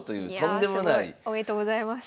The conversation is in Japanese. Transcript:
いやすごい。おめでとうございます。